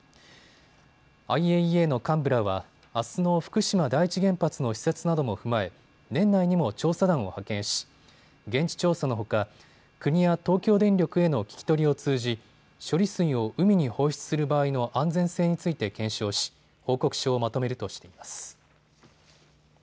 ＩＡＥＡの幹部らはあすの福島第一原発の視察なども踏まえ年内にも調査団を派遣し現地調査のほか国や東京電力への聞き取りを通じ処理水を海に放出する場合の安全性について検証し報告書をまとめるとしています。